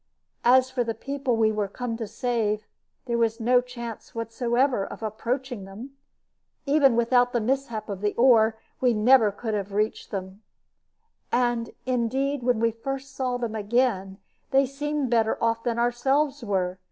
As for the people we were come to save, there was no chance whatever of approaching them. Even without the mishap to the oar, we never could have reached them. And indeed when first we saw them again they seemed better off than ourselves were.